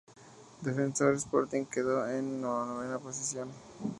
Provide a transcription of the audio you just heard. Defensor Sporting quedó en la novena posición.